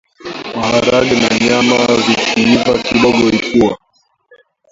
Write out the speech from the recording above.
Maharage na nyama vikiiva kidogo ipua